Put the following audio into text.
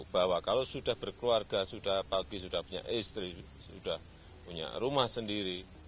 bahwa kalau sudah berkeluarga sudah pagi sudah punya istri sudah punya rumah sendiri